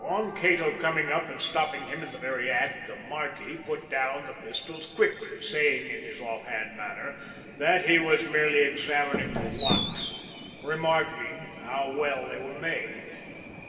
On Cato coming up and stopping him in the very act, the `marquis' put down the pistols quickly, saying in his off hand manner that he was merely examining the locks, remarking how well they were made.